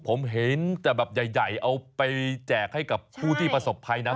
ผมเห็นแต่แบบใหญ่เอาไปแจกให้กับผู้ที่ประสบภัยนะ